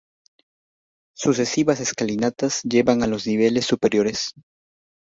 Sucesivas escalinatas llevan a los niveles superiores.